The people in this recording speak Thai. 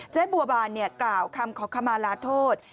เจ๊บัวบานกล่าวคำขอขมาลาโทษ